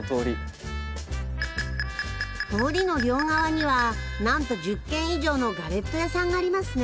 通りの両側にはなんと１０軒以上のガレット屋さんがありますね。